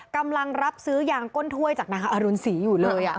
กำลังรับซื้อยางก้นถ้วยจากนางอรุณศรีอยู่เลย